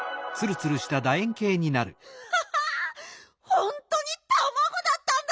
ハハッほんとにたまごだったんだ！